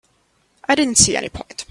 I didn't see any point.